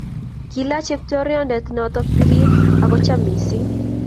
kilach cheptondoriet noto pirir agocham missing